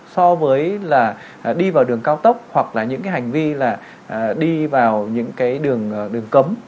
so với là đi vào đường cao tốc hoặc là những cái hành vi là đi vào những cái đường đường cấm